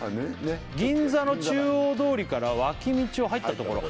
「銀座の中央通りから脇道を入ったところ」